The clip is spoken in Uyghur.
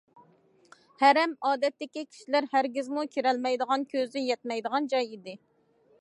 ھەرەم ئادەتتىكى كىشىلەر ھەرگىزمۇ كىرەلمەيدىغان، كۆزى يەتمەيدىغان جاي ئىدى.